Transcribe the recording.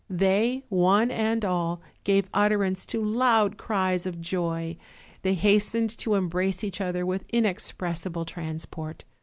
They, one and all, gave utterance to loud cries of joy; they hastened to embrace each other with inexpressible transport.